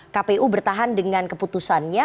kpu bertahan dengan keputusannya